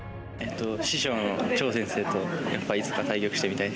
師匠の趙先生とやっぱいつか対局してみたいです。